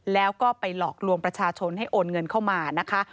แล้วก็ไปหลอกลวงประชาชนให้โอนเงินเข้ามานะคะ